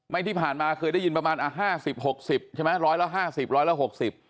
ไม่ที่ผ่านมาเคยได้ยินประมาณ๕๐๖๐ใช่ไหม๑๐๐แล้ว๕๐๑๐๐แล้ว๖๐